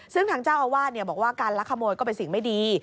ซึ่งทางเจ้าอาวาสบอกว่าการลักขโมยก็เป็นสิ่งไม่ดี